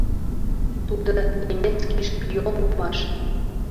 Тудо немецкий шпион улмаш.